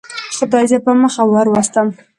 خدای زه په مخه وروستم.